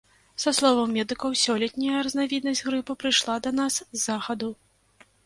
Са словаў медыкаў, сёлетняя разнавіднасць грыпу прыйшла да нас з захаду.